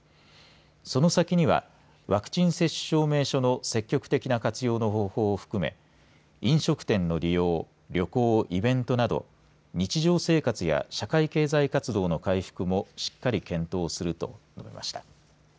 その先にはワクチン接種証明書の積極的な活用の方法を含め飲食店の利用旅行、イベントなど日常生活や社会経済活動の回復も、しっかり検討すると述べました。